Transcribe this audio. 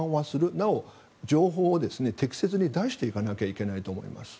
なお、情報を適切に出していかなきゃいけないと思います。